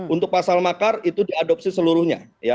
untuk pasal makar itu diadopsi seluruhnya